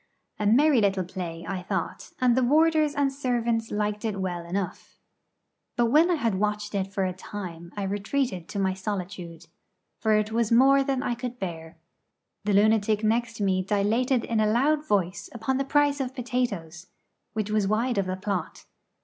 A merry little play, I thought, and the warders and servants liked it well enough. But when I had watched it for a time I retreated to my solitude, for it was more than I could bear. The lunatic next me dilated in a loud voice upon the price of potatoes, which was wide of the plot.